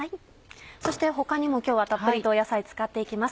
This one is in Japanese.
そして他にも今日はたっぷりと野菜使って行きます。